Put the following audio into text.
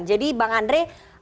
jadi bang andre